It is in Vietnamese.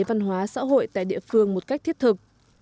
văn hóa xã hội tại địa phương một cách thiết thực